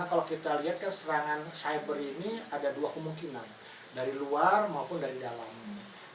kalau kita lihat kan serangan cyber ini ada dua kemungkinan dari luar maupun dari dalamnya